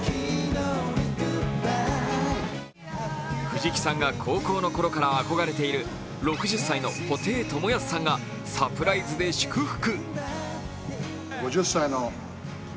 藤木さんが高校のころから憧れている６０歳の布袋寅泰さんがサプライズで祝福。